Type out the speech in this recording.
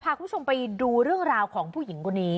พาคุณผู้ชมไปดูเรื่องราวของผู้หญิงคนนี้